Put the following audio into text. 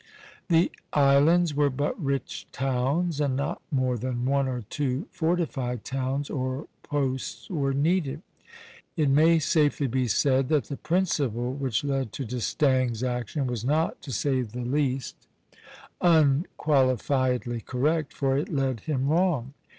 The islands were but rich towns; and not more than one or two fortified towns, or posts, were needed. It may safely be said that the principle which led to D'Estaing's action was not, to say the least, unqualifiedly correct; for it led him wrong.